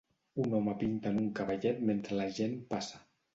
Un home pinta en un cavallet mentre la gent passa.